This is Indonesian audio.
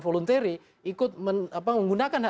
voluntary ikut menggunakan